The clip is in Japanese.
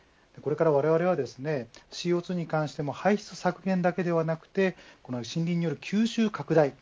これからわれわれはＣＯ２に関しても排出削減だけでなく森林による吸収拡大